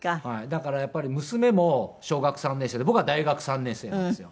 だからやっぱり娘も小学３年生で僕は大学３年生なんですよ。